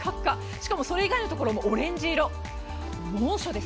しかもそれ以外のところもオレンジ色、猛暑です。